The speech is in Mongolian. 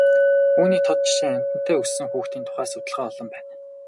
Үүний тод жишээ амьтантай өссөн хүүхдийн тухай судалгаа олон байна.